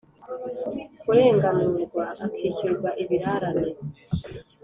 Kurenganurwa akishyurwa ibirarane